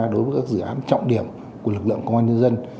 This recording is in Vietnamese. đối với các dự án trọng điểm của lực lượng công an nhân dân